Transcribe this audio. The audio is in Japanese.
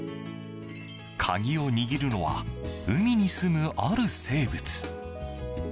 鍵を握るのは海にすむある生物。